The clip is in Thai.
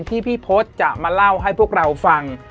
ที่พี่พศจะมาเล่าให้พวกเราฟัง